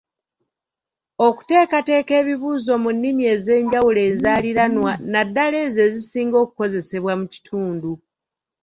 Okuteekateeka ebibuuzo mu nnimi ez'enjawulo enzaaliranwa naddala ezo ezisinga okukozesebwa mu kitundu.